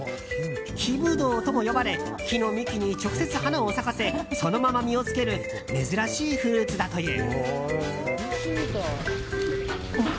木ブドウとも呼ばれ木の幹に直接、花を咲かせそのまま実をつける珍しいフルーツだという。